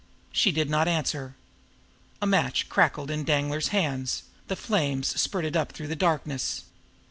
She did not answer. A match crackled in Danglar's hand; the flames spurted up through the darkness.